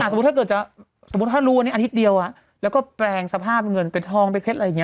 สมมุติถ้าเกิดจะสมมุติถ้ารู้วันนี้อาทิตย์เดียวแล้วก็แปลงสภาพเงินเป็นทองเป็นเพชรอะไรอย่างนี้